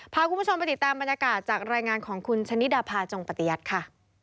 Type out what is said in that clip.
พาคุณผู้ชมไปติดตามบรรยากาศจากรายงานของคุณชะนิดาภาจงปฏิยัติค่ะ